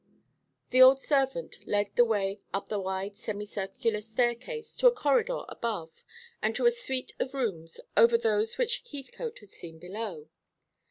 The old servant led the way up the wide semicircular staircase to a corridor above, and to a suite of rooms over those which Heathcote had seen below.